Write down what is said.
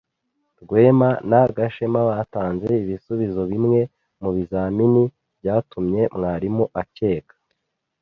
Rwema na Gashema batanze ibisubizo bimwe mubizamini byatumye mwarimu akeka.